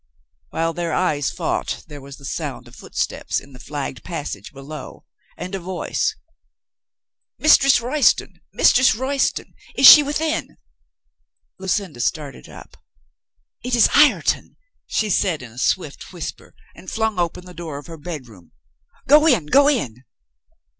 While their eyes fought there was the sound of footsteps in the flagged passage below and a voice : 446 COLONEL GREATHEART "Mistress Royston! Mistress Royston! Is she within?" Lucinda started up. "It is Ireton!" she said in a swift whisper, and flung open the door of her bed room. "Go in, go in